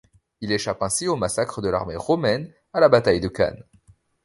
Il échappe ainsi au massacre de l'armée romaine à la bataille de Cannes.